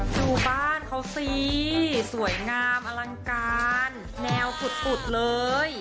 ดูบ้านเขาสิสวยงามอลังการแนวสุดเลย